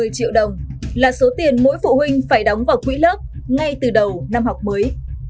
một mươi triệu đồng là số tiền mỗi phụ huynh phải đóng vào quỹ lớp ngay từ đầu năm học mới